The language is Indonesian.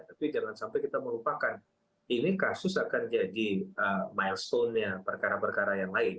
tapi jangan sampai kita melupakan ini kasus akan jadi milestone nya perkara perkara yang lain